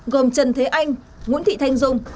gồm trần thế anh nguyễn thị thanh dung